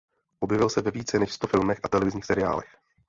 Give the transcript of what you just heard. Objevil se ve více než sto filmech a televizních seriálech.